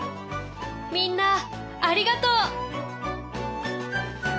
みんなありがとう。